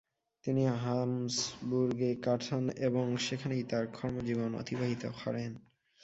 তিনি হাবস্বুর্গে কাটান এবং সেখানেই তার কর্মজীবন অতিবাহিত করেন।